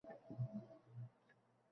“Bu dunyoga qaytmas endi u!”